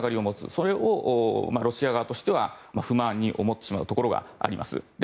それをロシア側としては不満に思ってしまうところがあります。